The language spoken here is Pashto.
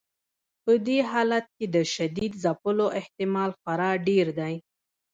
په دې حالت کې د شدید ځپلو احتمال خورا ډیر دی.